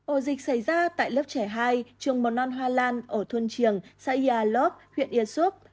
ổ dịch xảy ra tại lớp trẻ hai trường mầm non hoa lan ở thuân triềng xã yà lớp huyện easoc